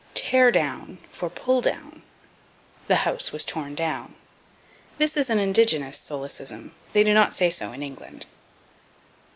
Tear Down for Pull Down. "The house was torn down." This is an indigenous solecism; they do not say so in England.